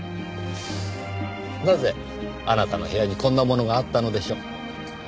なぜあなたの部屋にこんなものがあったのでしょう？